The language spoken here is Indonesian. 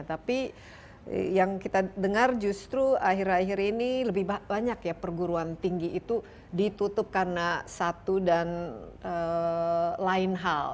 tapi yang kita dengar justru akhir akhir ini lebih banyak ya perguruan tinggi itu ditutup karena satu dan lain hal